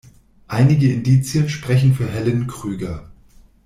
Einige Indizien sprechen für Helen Krüger.